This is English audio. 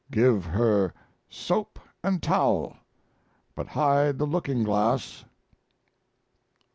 Give her soap and towel, but hide the looking glass.